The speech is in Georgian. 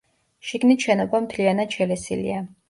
შიგნით შენობა მთლიანად შელესილია.